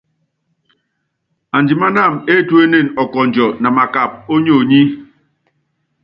Andimanámɛ étuénene ɔkɔndjɔ na makap ó nyonyi.